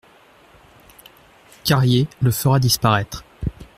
Carrier le fera disparaître.